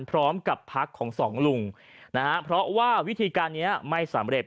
พร้อมกับพักของสองลุงนะฮะเพราะว่าวิธีการนี้ไม่สำเร็จ